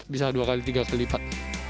bisa dua kali tiga kelipat